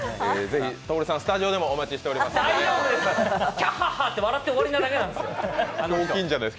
ぜひ透さん、スタジオでもお待ちしております。